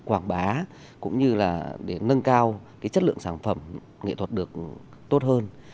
quảng bá cũng như là để nâng cao chất lượng sản phẩm nghệ thuật được tốt hơn